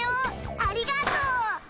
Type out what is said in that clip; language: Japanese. ありがとう！